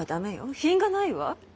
品がないわ。